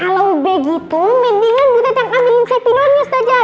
kalau begitu mendingan bu teta ambilin spidolnya ustazah